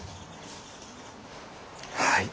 はい。